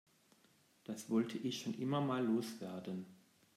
Das wollte ich schon immer mal loswerden.